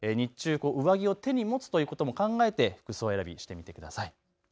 日中、上着を手に持つということも考えて服装選びしてみてください。